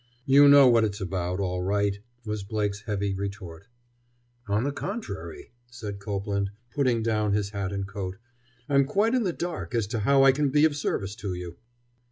"You know what it's about, all right," was Blake's heavy retort. "On the contrary," said Copeland, putting down his hat and coat, "I'm quite in the dark as to how I can be of service to you."